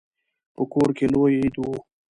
په کور کې لوی عید و.